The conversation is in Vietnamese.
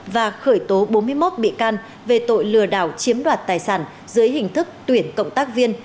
và khởi tố bốn mươi một bị can về tội lừa đảo chiếm đoạt tài sản dưới hình thức tuyển cộng tác viên